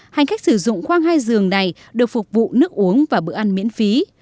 hành khách sử dụng khoang hai giường này được phục vụ nước uống và bữa ăn miễn phí